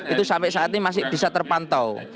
itu sampai saat ini masih bisa terpantau